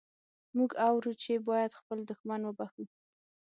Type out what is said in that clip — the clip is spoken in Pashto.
موږ اورو چې باید خپل دښمن وبخښو.